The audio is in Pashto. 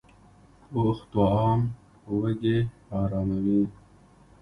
پوخ طعام وږې اراموي